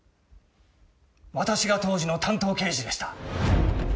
私が当時の担当刑事でした。